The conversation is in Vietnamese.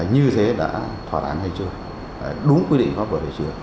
như thế đã thỏa án hay chưa đúng quy định pháp luật hay chưa